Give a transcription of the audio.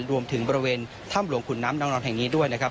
รวมถึงบริเวณถ้ำหลวงขุนน้ำนางนอนแห่งนี้ด้วยนะครับ